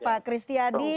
pak kristi adi